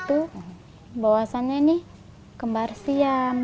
itu bawasannya ini kembar siam